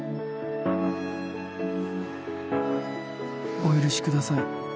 お許しください。